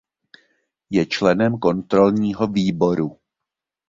Je členem kontrolního výboru.